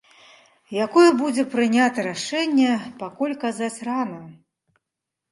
Якое будзе прынята рашэнне, пакуль казаць рана.